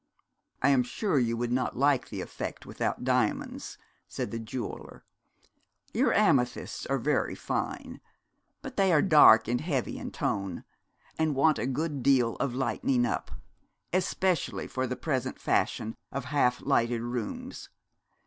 'I am sure you would not like the effect without diamonds,' said the jeweller. 'Your amethysts are very fine, but they are dark and heavy in tone, and want a good deal of lighting up, especially for the present fashion of half lighted rooms.